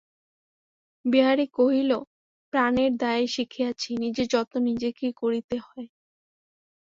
বিহারী কহিল, প্রাণের দায়ে শিখিয়াছি, নিজের যত্ন নিজেকেই করিতে হয়।